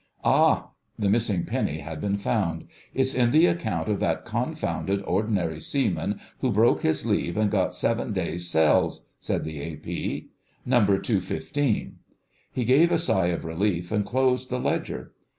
"Ah!" The missing penny had been found. "It's in the account of that confounded Ordinary Seaman who broke his leave and got seven days cells," said the A.P. "No. 215." He gave a sigh of relief and closed the ledger.